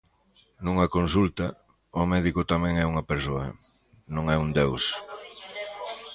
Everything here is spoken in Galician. Nunha consulta, o médico tamén é unha persoa, non é un Deus.